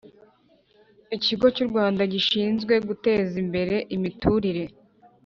Ikigo cy’ u Rwanda Gishinzwe Guteza Imbere Imiturire